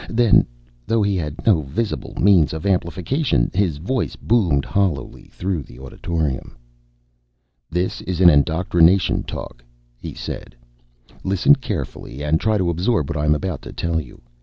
Then, though he had no visible means of amplification, his voice boomed hollowly through the auditorium. "This is an indoctrination talk," he said. "Listen carefully and try to absorb what I am about to tell you.